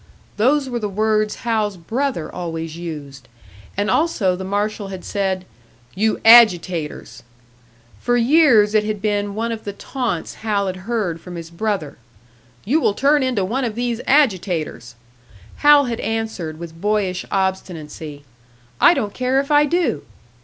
Those were the words Hal's brother always used! And also, the marshal had said, "You agitators!" For years it had been one of the taunts Hal had heard from his brother, "You will turn into one of these agitators!" Hal had answered, with boyish obstinacy, "I don't care if I do!"